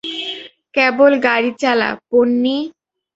কেবল গাড়ি চালা, পোন্নি।